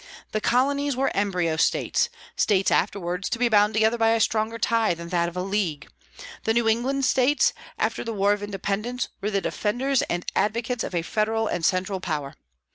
The colonies were embryo States, States afterwards to be bound together by a stronger tie than that of a league. The New England States, after the war of Independence, were the defenders and advocates of a federal and central power.